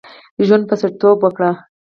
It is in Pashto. ژوند په سړیتوب وکړه.